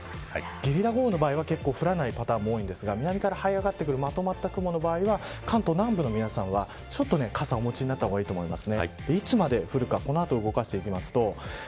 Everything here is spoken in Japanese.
ゲリラ豪雨の場合は結構、降らないパターンも多いんですが南から這い上がってくるまとまった雲の場合は関東南部の皆さんは傘をお持ちになった方がいいと思います。